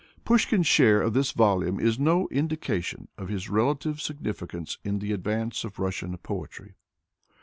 Pushkin's share of this volume is no indication of his relative significance in the advance of Russian poetry.